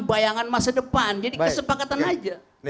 bayangan masa depan jadi kesepakatan aja